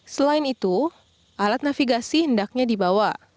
selain itu alat navigasi hendaknya dibawa